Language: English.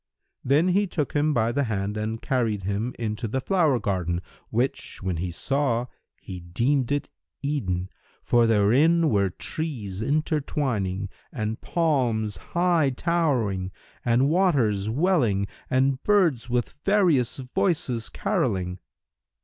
Then he took him by the hand and carried him into the flower garden which, when he saw, he deemed it Eden, for therein were trees intertwining and palms high towering and waters welling and birds with various voices carolling.